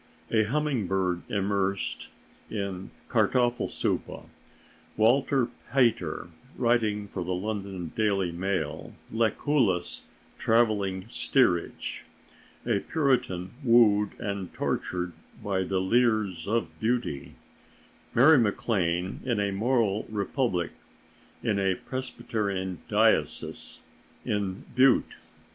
A humming bird immersed in Kartoffelsuppe. Walter Pater writing for the London Daily Mail. Lucullus traveling steerage.... A Puritan wooed and tortured by the leers of beauty, Mary MacLane in a moral republic, in a Presbyterian diocese, in Butte....